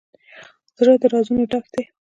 زړه د رازونو ډک دی.